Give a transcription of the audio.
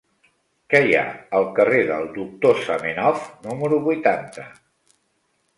Què hi ha al carrer del Doctor Zamenhof número vuitanta?